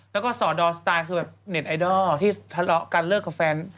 แล้วก็สอดอสไตล์คือแบบเน็ตไอดอลที่ทะเลาะกันเลิกกับแฟน